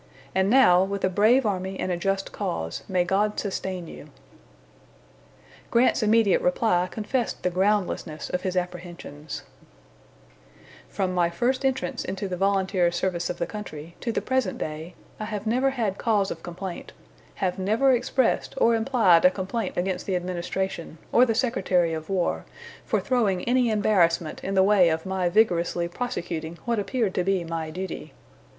And now, with a brave army and a just cause, may God sustain you." Grant's immediate reply confessed the groundlessness of his apprehensions: "From my first entrance into the volunteer service of the country to the present day, I have never had cause of complaint have never expressed or implied a complaint against the administration, or the Secretary of War, for throwing any embarrassment in the way of my vigorously prosecuting what appeared to me my duty.